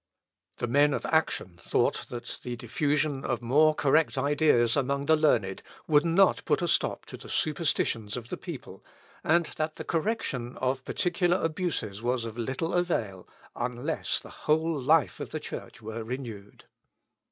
The men of action thought that the diffusion of more correct ideas among the learned would not put a stop to the superstitions of the people, and that the correction of particular abuses was of little avail, unless the whole life of the Church were renewed.